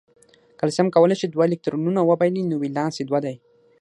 کلسیم کولای شي دوه الکترونونه وبایلي نو ولانس یې دوه دی.